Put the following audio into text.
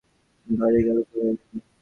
এখন, কলিকাতায় যাইবার সময় ভারি গোল পড়িয়া গেল।